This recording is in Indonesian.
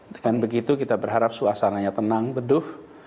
dengan begitu kita berharap suasananya tenang teduh